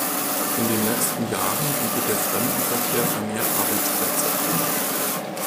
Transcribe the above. In den letzten Jahren bietet der Fremdenverkehr vermehrt Arbeitsplätze.